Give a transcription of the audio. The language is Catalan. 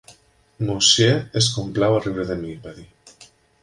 "Monsieur es complau a riure de mi", va dir.